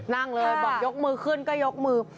นั่งเลยบอกยกมือขึ้นก็ยกมือ